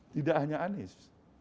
tidak hanya anies